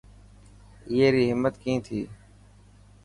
اي ري همت ڪئي ٿي.